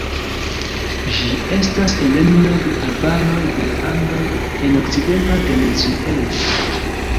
Ĝi estas endemia de arbaroj de Andoj en okcidenta Venezuelo.